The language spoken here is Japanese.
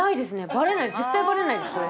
バレない絶対バレないですこれ。